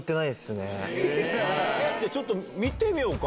ちょっと見てみようか。